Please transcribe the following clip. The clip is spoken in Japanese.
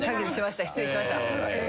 失礼しました。